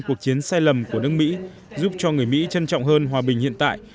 cuộc chiến sai lầm của nước mỹ giúp cho người mỹ trân trọng hơn hòa bình hiện tại